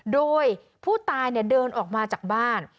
โดยผู้ตายเดินออกมาจากบ้าน